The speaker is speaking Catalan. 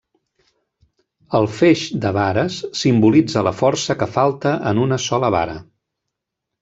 El feix de vares simbolitza la força que falta en una sola vara.